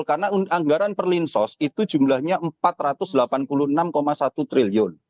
karena anggaran perlinsos itu jumlahnya empat ratus delapan puluh enam satu triliun